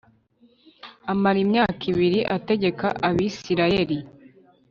amara imyaka ibiri ategeka Abisirayeli